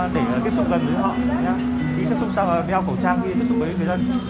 để tiếp xúc gần với họ đi tiếp xúc sau là đeo khẩu trang đi tiếp xúc với người dân